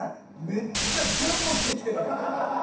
めっちゃ全部着てきてるやん！